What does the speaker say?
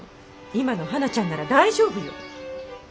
今のはなちゃんなら大丈夫よ。